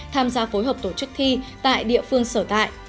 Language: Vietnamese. tham gia phối hợp tổ chức thi tại địa phương sở tại